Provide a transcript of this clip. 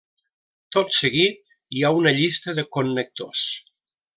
Tot seguit hi ha una llista de connectors.